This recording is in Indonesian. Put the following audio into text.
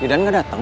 idan enggak datang